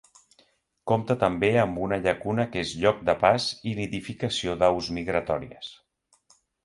Compta també amb una llacuna que és lloc de pas i nidificació d'aus migratòries.